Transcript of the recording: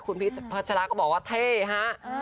คุณพีชพัชราก็บอกว่าเท่ฮะ